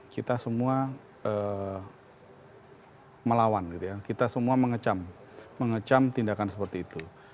kita semua melawan gitu ya kita semua mengecam mengecam tindakan seperti itu